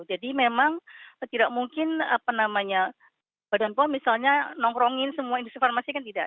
memang tidak mungkin apa namanya badan pom misalnya nongkrongin semua industri farmasi kan tidak